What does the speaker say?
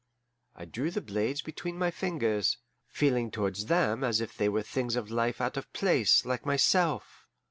I drew the blades between my fingers, feeling towards them as if they were things of life out of place like myself.